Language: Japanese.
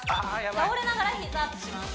倒れながら膝アップします